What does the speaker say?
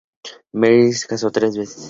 Merrill se casó tres veces.